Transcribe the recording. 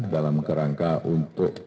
dalam kerangka untuk